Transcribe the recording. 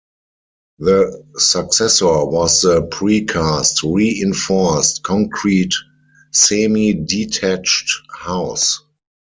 The successor was the pre-cast re-inforced concrete semi-detached house.